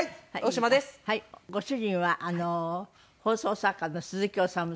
ご主人は放送作家の鈴木おさむさん。